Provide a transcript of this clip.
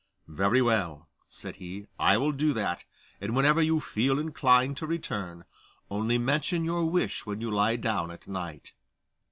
'Very well,' said he, 'I will do that, and whenever you feel inclined to return, only mention your wish when you lie down at night.